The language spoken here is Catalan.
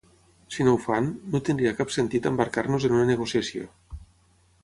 Si no ho fan, no tindria cap sentit embarcar-nos en una negociació.